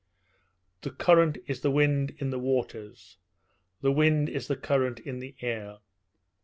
The current is the wind in the waters; the wind is the current in the air.